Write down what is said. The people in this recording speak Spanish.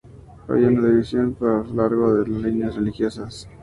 Había una división más a lo largo de líneas religiosas.